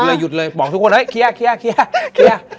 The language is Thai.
หยุดเลยหยุดเลยบอกทุกคนเฮ้ยเครียร์เครียร์เครียร์เครียร์